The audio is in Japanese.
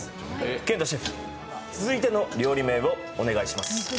健人シェフ、続いての料理名をお願いします。